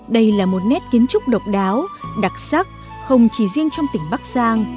đây là một nét kiến trúc độc đáo đặc sắc không chỉ riêng trong tỉnh bắc giang